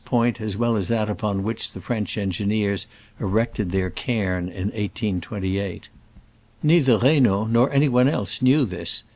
point as well as that upon which the French engineers erected their cairn in 1828. Neither Reynaud nor any one else knew this.